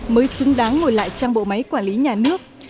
mới xứng đáng ngồi lại trong bộ máy quản lý nhà nước